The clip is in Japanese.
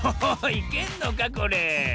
いけんのかこれ？